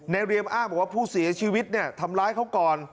เรียมอ้างบอกว่าผู้เสียชีวิตเนี่ยทำร้ายเขาก่อน